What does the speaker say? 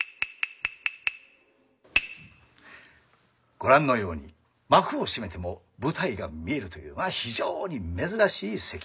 ご覧のように幕を閉めても舞台が見えるというまあ非常に珍しい席。